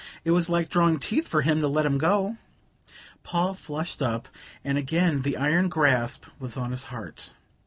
It was like drawing teeth for him to let them go." Paul flushed up, and again the iron grasp was on his heart.